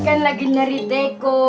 eh kan lagi nyeri teko